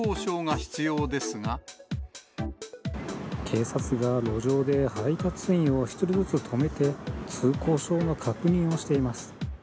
警察が路上で配達員を１人ずつ止めて、通行証の確認をしています。